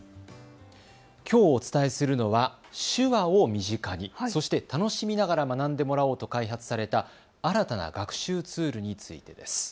きょうお伝えするのは手話を身近に、そして楽しみながら学んでもらおうと開発された新たな学習ツールについてです。